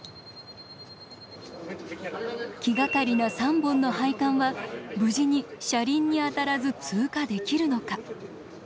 気がかりな３本の配管は無事に車輪に当たらず通過できるのか。